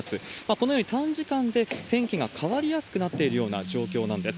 このように短時間で天気が変わりやすくなっているような状況なんです。